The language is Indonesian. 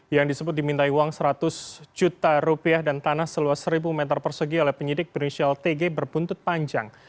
yang disebut dimintai uang seratus juta rupiah dan tanah seluas seribu meter persegi oleh penyidik bernisial tg berbuntut panjang